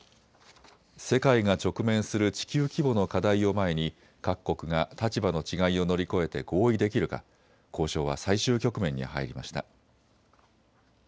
世界が直面する地球規模の課題を前に各国が立場の違いを乗り越えて合意できるか交渉は最終局面に入りました。